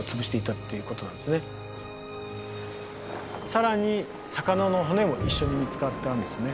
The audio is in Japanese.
更に魚の骨も一緒に見つかったんですね。